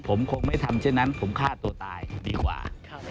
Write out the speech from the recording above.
ผมคงไม่ทำเช่นนั้นผมฆ่าตัวตายดีกว่า